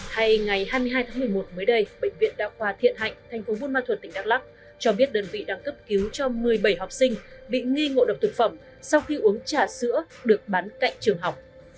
hay ngày hai mươi hai tháng một mươi một mới đây bệnh viện đa khoa thiện hạnh thành phố buôn ma thuật tỉnh đắk lắc cho biết đơn vị đang cấp cứu cho một mươi bảy học sinh bị nghi ngộ độc thực phẩm sau khi uống trà sữa được bán cạnh trường học